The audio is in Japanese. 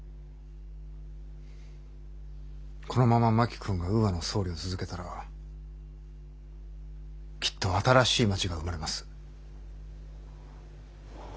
このまま真木君がウーアの総理を続けたらきっと新しい街が生まれます。